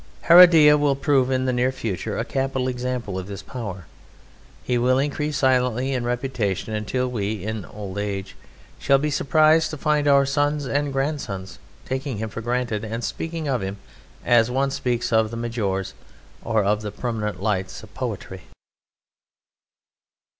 Heredia will prove in the near future a capital example of this power. He will increase silently in reputation until we, in old age, shall be surprised to find our sons and grandsons taking him for granted and speaking of him as one speaks of the Majores, of the permanent lights of poetry.